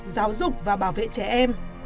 giáo dục và bảo vệ trẻ em